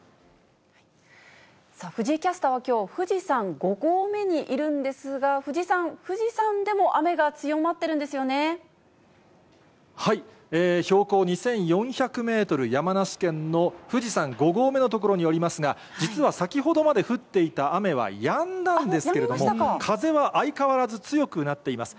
藤井キャスターはきょう、富士山５合目にいるんですが、藤井さん、富士山でも雨が強まっ標高２４００メートル、山梨県の富士山５合目の所におりますが、実は先ほどまで降っていた雨はやんだんですけれども、風は相変わらず強くなっています。